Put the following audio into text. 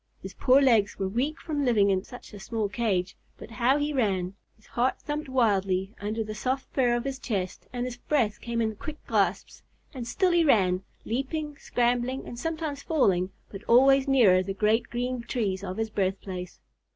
His poor legs were weak from living in such a small cage, but how he ran! His heart thumped wildly under the soft fur of his chest, and his breath came in quick gasps, and still he ran, leaping, scrambling, and sometimes falling, but always nearer the great green trees of his birthplace.